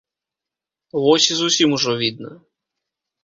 Вось і зусім ужо відна.